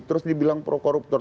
terus dibilang pro koruptor